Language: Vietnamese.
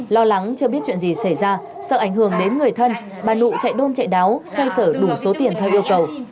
lo lắng chưa biết chuyện gì xảy ra sợ ảnh hưởng đến người thân bà lụ chạy đôn chạy đáo xoay sở đủ số tiền theo yêu cầu